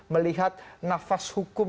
melihat nafas hukum